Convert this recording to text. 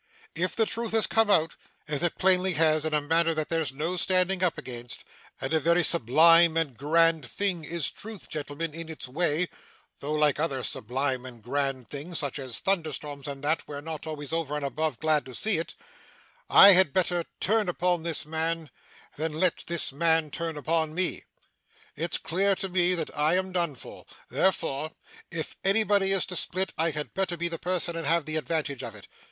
If the truth has come out, as it plainly has in a manner that there's no standing up against and a very sublime and grand thing is Truth, gentlemen, in its way, though like other sublime and grand things, such as thunder storms and that, we're not always over and above glad to see it I had better turn upon this man than let this man turn upon me. It's clear to me that I am done for. Therefore, if anybody is to split, I had better be the person and have the advantage of it.